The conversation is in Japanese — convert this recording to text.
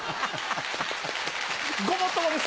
ごもっともです。